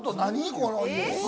この家。